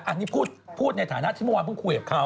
อันนี้พูดในฐานะที่เมื่อวานเพิ่งคุยกับเขา